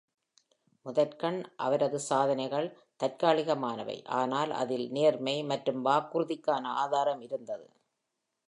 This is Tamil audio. முதற்கண், அவரது சாதனைகள் தற்காலிகமானவை, ஆனால் அதில் நேர்மை மற்றும் வாக்குறுதிக்கான ஆதாரம் இருந்தது.